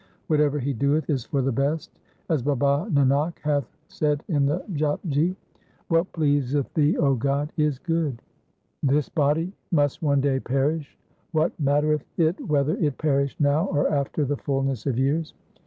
Whatever he doeth is for the best. As Baba Nanak hath said in the Japji — What pleaseth Thee, O God, is good. This body must one day perish. What mattereth it whether it perish now or after the fullness of years ?